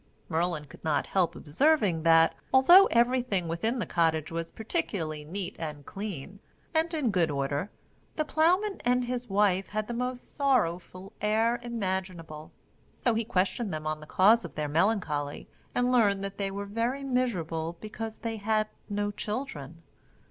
Merlin could not help observing, that, although every thing within the cottage was particularly neat and clean, and in good order, the ploughman and his wife had the most sorrowful air imaginable. So he questioned them on the cause of their melancholy, and learned that they were very miserable because they had no children.